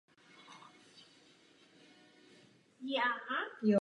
Po návratu do Nankingu požadoval odvody tamních rolníků pro další tažení na západě.